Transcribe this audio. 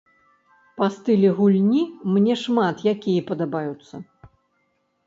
Па стылі гульні мне шмат якія падабаюцца.